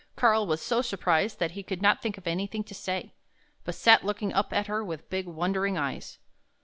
Karl was so surprised that he could not think of anything to say, but sat looking up at her with big, wondering eyes.